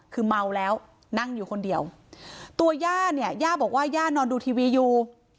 คือเมาแล้วนั่งอยู่คนเดียวตัวย่าเนี่ยย่าบอกว่าย่านอนดูทีวีอยู่